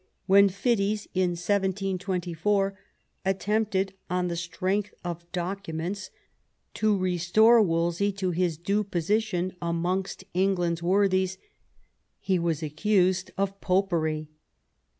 When Fiddes, in 1724, attempted, on the strength of documents, to restore Wolsey to his due position amongst England's worthies, he was accused of Popery.